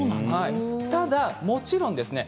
ただもちろんですね